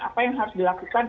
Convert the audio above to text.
apa yang harus dilakukan